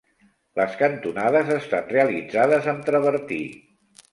Les cantonades estan realitzades amb travertí.